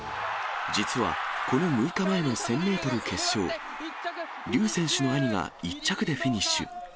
実はこの６日前の１０００メートル決勝、リュー選手の兄が１着でフィニッシュ。